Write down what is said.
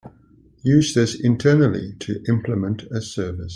Use this internally to implement a service.